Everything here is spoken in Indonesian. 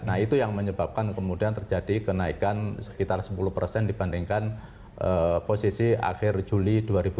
nah itu yang menyebabkan kemudian terjadi kenaikan sekitar sepuluh persen dibandingkan posisi akhir juli dua ribu dua puluh